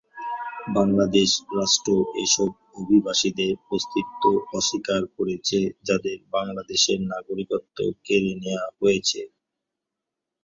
বাংলাদেশ রাষ্ট্র এসব অভিবাসীদের অস্তিত্ব অস্বীকার করেছে যাদের বাংলাদেশের নাগরিকত্ব কেড়ে নেয়া হয়েছে।